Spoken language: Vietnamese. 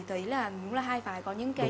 thì thấy là hai phải có những cái